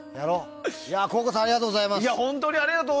Ｃｏｃｃｏさんありがとうございます。